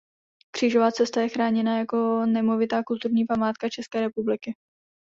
Křížová cesta je chráněna jako nemovitá Kulturní památka České republiky.